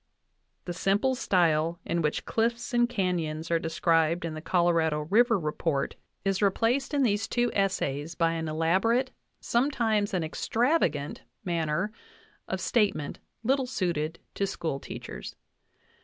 The simple style in which cliffs and canyons are described in the Colorado River report is re 36 JOHN WKSLEY POWELL DAVIS placed in these two essays by an elaborate, sometimes an ex travagant, manner of statement little suited to school teachers.